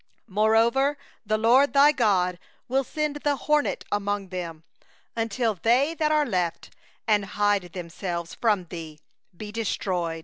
20Moreover the LORD thy God will send the hornet among them, until they that are left, and they that hide themselves, perish from before thee.